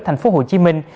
thành phố hồ chí minh